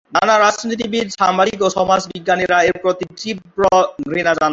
নানা রাজনীতিবিদ, সাংবাদিক ও সমাজ বিজ্ঞানীরা এর প্রতি তীব্র ঘৃণা জানায়।